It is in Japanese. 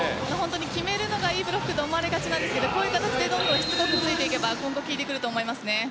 決めるのがいいブロックと思われがちですがこういう形でどんどんしつこくついていけば今後、効いてくると思いますね。